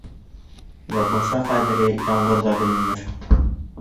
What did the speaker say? Ябынса ҡәҙере ямғырҙа беленер.